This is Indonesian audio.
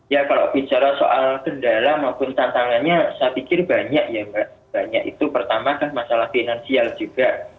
ya kalau bicara soal kendala maupun tantangannya saya pikir banyak ya mbak banyak itu pertama kan masalah finansial juga